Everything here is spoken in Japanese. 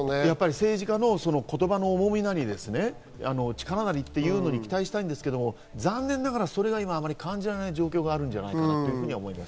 政治家の言葉の重みなり力なりというのに期待したいんですけど、残念ながらそれが今、あまり感じられない状況があると思います。